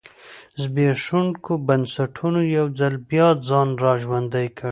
زبېښونکو بنسټونو یو ځل بیا ځان را ژوندی کړ.